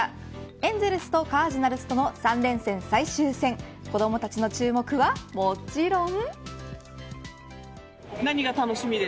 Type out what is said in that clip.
エンゼルスとカージナルスとの三連戦最終戦子どもたちの注目は、もちろん。